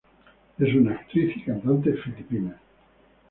Es una actriz y cantante filipina.